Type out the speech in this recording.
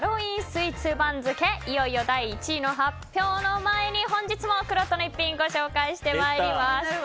スイーツ番付第１位の発表の前に本日も、くろうとの逸品をご紹介してまいります。